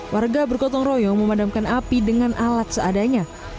warga bergotong royong memadamkan api dengan alat seadanya